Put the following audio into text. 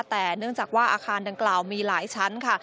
แต่เนื่องจากว่าอาคารดังกล่าวมีหลายชั้นค่ะ